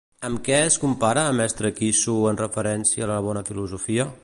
Amb què es compara Mestre Quissu en referència a la bona filosofia?